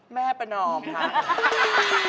แม่ประนอมค่ะ